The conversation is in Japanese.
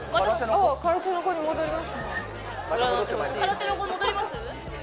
空手の子に戻ります？